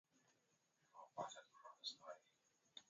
Msichana hufunga fundo katika mkufu wake kwa kila zawadi atakayopatiwa